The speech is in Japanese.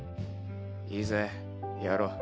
いいぜやろう。